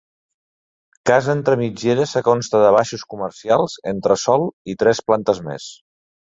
Casa entre mitgeres, que consta de baixos comercials, entresòl i tres plantes més.